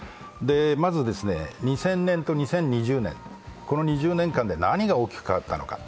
まず、２０００年と２０１０年、この２０年間で何が大きく変わったのか。